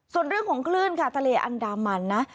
ส่วนเรื่องของคลื่นค่ะทะเลอันดามันนะ